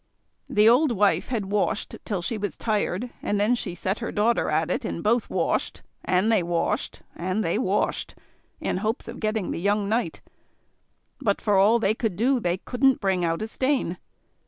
The old wife had washed till she was tired, and then she set her daughter at it, and both washed, and they washed, and they washed, in hopes of getting the young knight; but for all they could do they couldn't bring out a stain.